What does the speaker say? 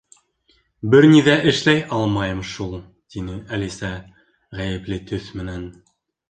—Бер ни ҙә эшләй алмайым шул, —тине Әлисә ғәйепле төҫ менән.